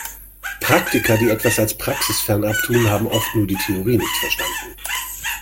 Praktiker, die etwas als praxisfern abtun, haben oft nur die Theorie nicht verstanden.